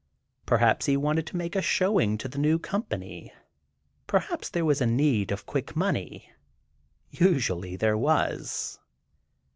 Perhaps he wanted to make a showing to the new company. Perhaps there was a need of quick money—usually there was.